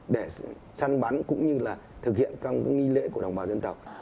để săn bắn cũng như là thực hiện các nghi lễ của đồng bào dân tộc